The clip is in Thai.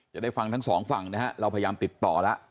จะได้ฟังทั้งสองฝั่งนะฮะเราพยายามติดต่อแล้ว